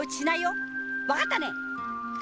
わかったね！